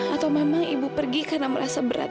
atau memang ibu pergi karena merasa berat